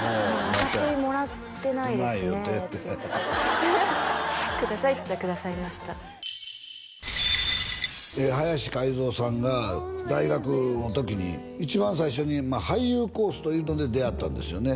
「私もらってないですね」って「ください」って言ったらくださいました林海象さんが大学の時に一番最初に俳優コースというので出会ったんですよね